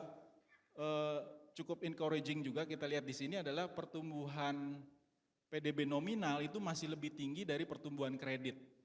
kita cukup encouraging juga kita lihat di sini adalah pertumbuhan pdb nominal itu masih lebih tinggi dari pertumbuhan kredit